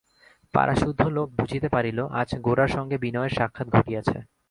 পাড়াসুদ্ধ লোক বুঝিতে পারিল আজ গোরার সঙ্গে বিনয়ের সাক্ষাৎ ঘটিয়াছে।